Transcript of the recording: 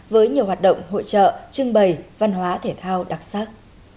với nhiều hoạt động hội trợ trưng bày văn hóa thể thao đặc sắc